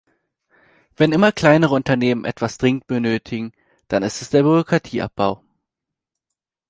Wenn immer kleinere Unternehmen etwas dringend benötigen, dann ist es der Bürokratieabbau.